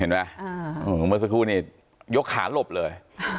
เห็นไหมเมื่อสักครู่เนี่ยยกขาหลบเลย